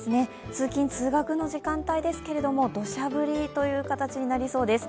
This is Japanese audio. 通勤・通学の時間帯ですけどどしゃ降りという形になりそうです。